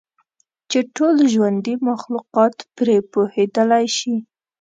چې ټول ژوندي مخلوقات پرې پوهیدلی شي.